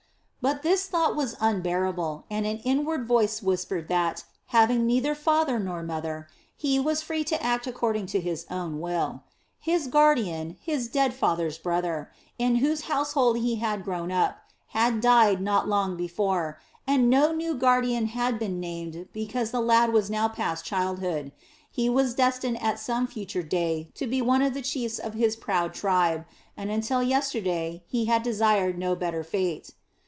But this thought was unbearable and an inward voice whispered that, having neither father nor mother, he was free to act according to his own will. His guardian, his dead father's brother, in whose household he had grown up, had died not long before, and no new guardian had been named because the lad was now past childhood. He was destined at some future day to be one of the chiefs of his proud tribe and until yesterday he had desired no better fate.